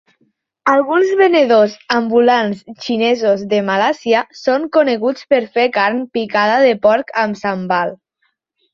Alguns venedors ambulants xinesos de Malàisia són coneguts per fer carn picada de porc amb sambal.